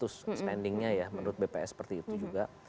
terus spendingnya ya menurut bps seperti itu juga